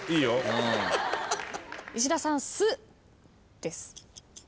石田さん「す」です。